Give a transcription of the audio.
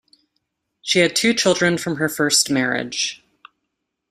She had two children from her first marriage.